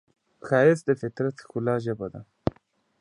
ښایست د فطرت د ښکلا ژبه ده